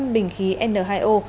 một trăm linh bình khí n hai o